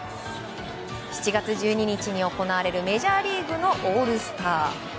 ７月１２日に行われるメジャーリーグのオールスター。